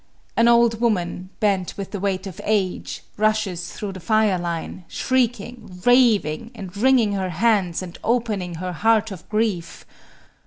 An old woman, bent with the weight of age, rushes through the fire line, shrieking, raving, and wringing her hands and opening her heart of grief.